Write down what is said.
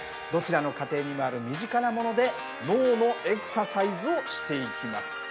どちらの家庭にもある身近なもので脳のエクササイズをしていきます。